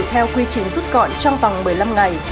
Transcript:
theo quy trình rút gọn trong vòng một mươi năm ngày